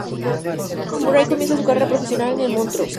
Murray comenzó su carrera profesional con el Montrose.